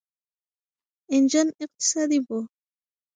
انجن اقتصادي و.